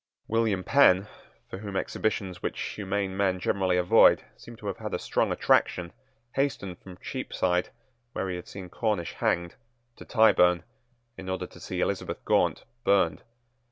William Penn, for whom exhibitions which humane men generally avoid seem to have had a strong attraction, hastened from Cheapside, where he had seen Cornish hanged, to Tyburn, in order to see Elizabeth Gaunt burned.